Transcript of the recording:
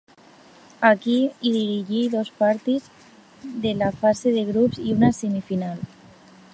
Aquí hi dirigí dos partits de la fase de grups i una semifinal.